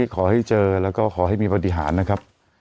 ขอให้เจอแล้วก็ขอให้มีปฏิหารนะครับ